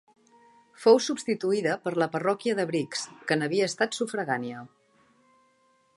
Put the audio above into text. Fou substituïda per la parròquia de Brics, que n'havia estat sufragània.